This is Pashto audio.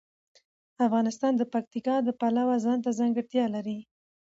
افغانستان د پکتیکا د پلوه ځانته ځانګړتیا لري.